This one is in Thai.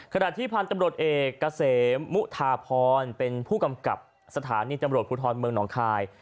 ขณะที่พันธุ์ตำรวจเอกเกษมมุทาพรเป็นผู้กำกับสถานีตำรวจภูทรเมืองหนองคาย